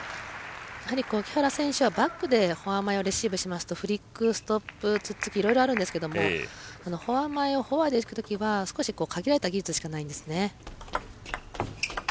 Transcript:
木原選手はバックでフォアにしますとフリック、ストップ、ツッツキいろいろあるんですけどもフォア前、フォアにいく時は少し限られた技術しかないんです。